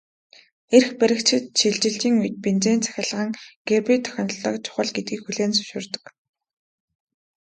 Эрх баригчид шилжилтийн үед бензин-цахилгаан гибрид технологи чухал гэдгийг хүлээн зөвшөөрдөг.